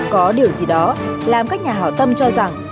có điều gì đó làm các nhà hảo tâm cho rằng